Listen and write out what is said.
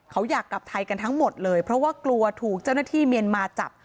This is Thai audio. เขาอยากกลับไทยกันทั้งหมดเลยเพราะว่ากลัวถูกเจ้าหน้าที่เมียนมาจับ